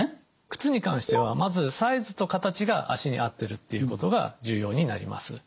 靴に関してはまずサイズと形が足に合ってるっていうことが重要になります。